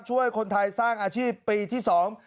ช่วยคนไทยสร้างอาชีพปีที่สอง